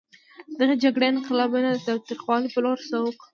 دغې جګړې انقلابیون د تاوتریخوالي په لور سوق کړل.